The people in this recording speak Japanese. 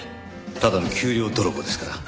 ただの給料泥棒ですから。